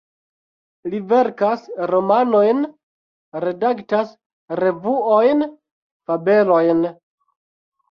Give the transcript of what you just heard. Li verkas romanojn, redaktas revuojn, fabelojn.